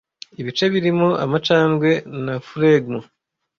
ibice birimo amacandwe na flegm,